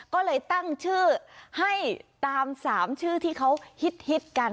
ก็เลยตั้งชื่อให้ตาม๓ชื่อที่เขาฮิตกัน